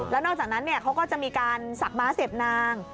แล้วนอกจากนั้นเขาก็จะมีการสักม้าเสพนาง